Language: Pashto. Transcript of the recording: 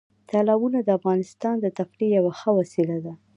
تالابونه د افغانانو د تفریح یوه ښه وسیله ده.